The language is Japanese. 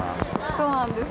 そうなんです。